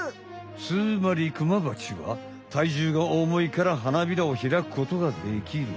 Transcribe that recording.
つまりクマバチはたいじゅうが重いから花びらをひらくことができる。